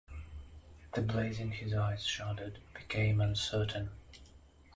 The blaze in his eyes shuddered, became uncertain.